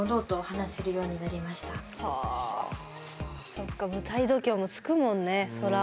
そっか舞台度胸もつくもんねそら。